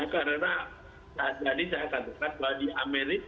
karena saat tadi saya katakan bahwa di amerika